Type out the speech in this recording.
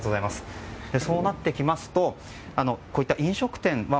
そうなってきますとこういった飲食店は